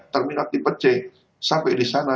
terminal tipe c sampai di sana